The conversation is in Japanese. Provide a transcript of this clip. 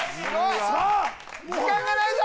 さあ時間がないぞ！